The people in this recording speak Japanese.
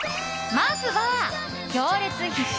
まずは、行列必至！